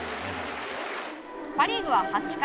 パ・リーグは８回。